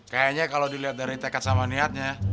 kayaknya kalau dilihat dari tekad sama niatnya